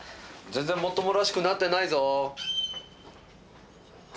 全然もっともらしくなってないぞ。